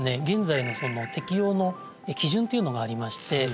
現在の適応の基準というのがありまして